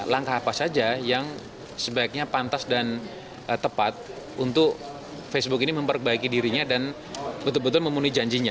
langkah apa saja yang sebaiknya pantas dan tepat untuk facebook ini memperbaiki dirinya dan betul betul memenuhi janjinya